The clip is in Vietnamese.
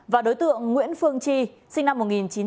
và đối tượng nguyễn phương tri sinh năm một nghìn chín trăm tám mươi bảy